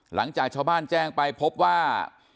หลังจากชาวบ้านแจ้งไปพบว่า